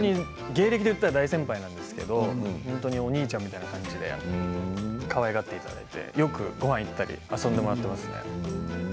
芸歴でいったら大先輩なんですが、お兄ちゃんみたいな感じでかわいがっていただいてよくごはんに行ったり遊んでもらってますね。